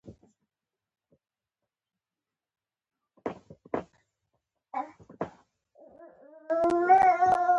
ژوند روان و.